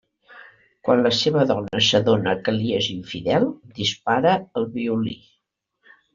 Quan la seva dona s'adona que li és infidel, dispara al violí.